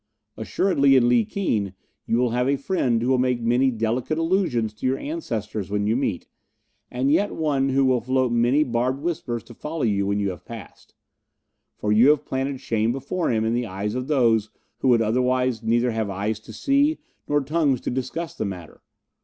Assuredly in Li Keen you will have a friend who will make many delicate allusions to your ancestors when you meet, and yet one who will float many barbed whispers to follow you when you have passed; for you have planted shame before him in the eyes of those who would otherwise neither have eyes to see nor tongues to discuss the matter.